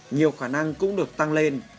nhiều khả năng cũng được tăng lên